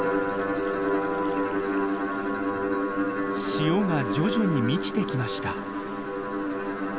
潮が徐々に満ちてきました。